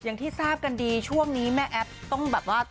อย่างที่ทราบกันดีช่วงนี้แม่แอ๊บต้องแบบว่า